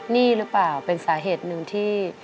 นี่หรือเปล่าเป็นสาเหตุหนึ่งที่